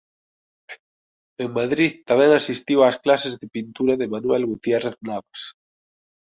En Madrid tamén asistiu ás clases de pintura de Manuel Gutiérrez Navas.